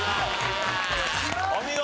お見事！